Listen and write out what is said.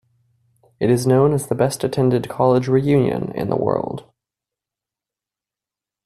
It is known as the best-attended college reunion in the world.